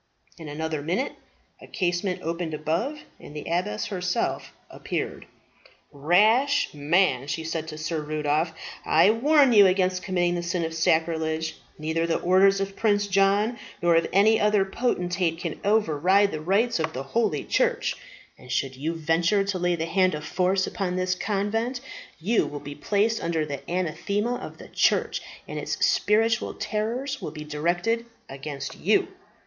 In another minute a casement opened above, and the abbess herself appeared. "Rash man," she said to Sir Rudolph, "I warn you against committing the sin of sacrilege. Neither the orders of Prince John nor of any other potentate can over ride the rights of the holy church; and should you venture to lay the hand of force upon this convent you will be placed under the anathema of the church, and its spiritual terrors will be directed against you."